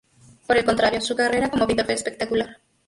Por el contrario, su carrera como pintor fue espectacular.